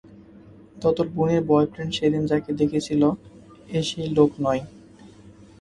তো তোর বোনের বয়ফ্রেন্ড সেদিন যাকে দেখেছিলো এ সেই লোক নয়।